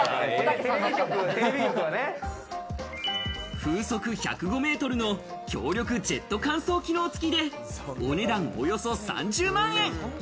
風速１０５メートルの強力ジェット乾燥機能付きでお値段およそ３０万円。